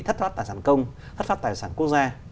thất phát tài sản công thất phát tài sản quốc gia